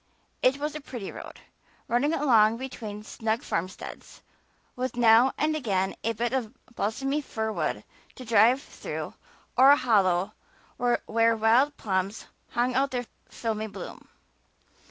It was a pretty road, running along between snug farmsteads, with now and again a bit of balsamy fir wood to drive through or a hollow where wild plums hung out their filmy bloom.